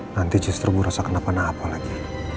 nanti justru bu rosa kenapa napa lagi